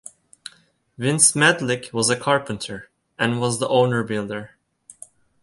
Vince Medlik was a carpenter and was the owner-builder.